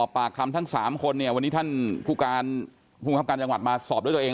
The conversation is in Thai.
ปากคำทั้ง๓คนเนี่ยวันนี้ท่านผู้การภูมิครับการจังหวัดมาสอบด้วยตัวเอง